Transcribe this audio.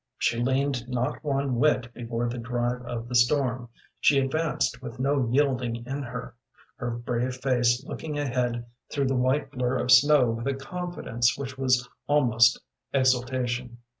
She leaned not one whit before the drive of the storm. She advanced with no yielding in her, her brave face looking ahead through the white blur of snow with a confidence which was almost exultation.